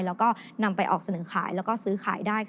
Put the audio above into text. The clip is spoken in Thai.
แล้วก็นำไปออกเสนอขายแล้วก็ซื้อขายได้